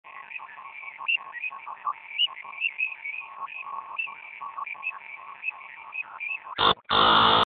تاریخ د پلارونکو میراث دی.